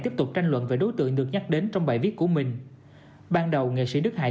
tiếp tục tranh luận về đối tượng được nhắc đến trong bài viết của mình ban đầu nghệ sĩ đức hải